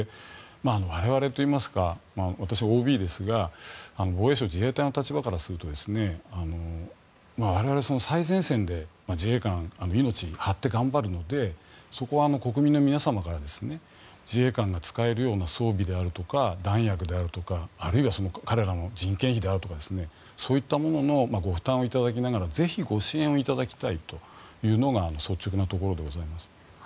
我々といいますか私、ＯＢですが防衛省、自衛隊の立場からすると我々最前線で自衛官、命を張って頑張るのでそこは国民の皆様から自衛官が使えるような装備であるとか弾薬であるとかあるいは彼らの人件費であるとかそういったもののご負担をいただきながらぜひご支援をいただきたいというのが率直なところでございます。